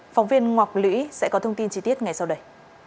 phóng viên ngọc lũy sẽ có thông tin chi tiết ngay sau đây